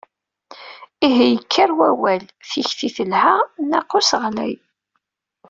Ihi, yekker wawal, tikti telha, nnaqus ɣlay.